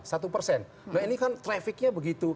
satu persen nah ini kan trafficnya begitu